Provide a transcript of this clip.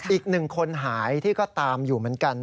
อีกหนึ่งคนหายที่ก็ตามอยู่เหมือนกัน